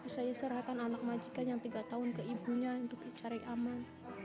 saya serahkan anak majikan yang tiga tahun ke ibunya untuk dicari aman